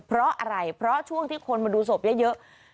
เพราะอะไรเพราะช่วงที่คนมาดูศพเยอะ